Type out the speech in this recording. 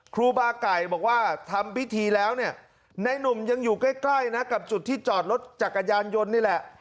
ครูบาไก่บอกว่าทำพิธีแล้วเนี่ยในหนุ่มยังอยู่ใกล้นะกับจุดที่จอดรถจักรยานยนต์นี่แหละ